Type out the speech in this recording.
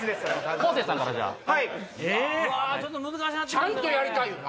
ちゃんとやりたいよな。